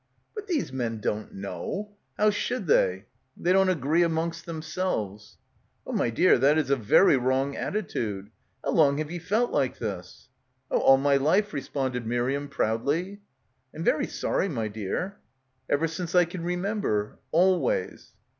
"But these men don't know. How should they? They don't agree amongst themselves." "Oh, my dear, that is a very wrong attitude. How long have ye felt like this?" "Oh, all my life," responded Miriam proudly. "I'm very sorry, my dear." "Ever since I can remember. Always."